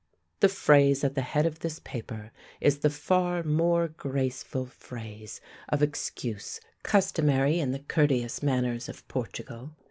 The phrase at the head of this paper is the far more graceful phrase of excuse customary in the courteous manners of Portugal.